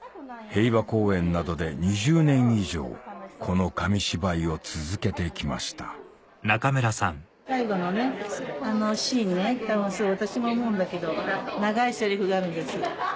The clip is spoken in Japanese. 平和公園などで２０年以上この紙芝居を続けて来ました最後のシーンね私も思うんだけど長いセリフがあるんです。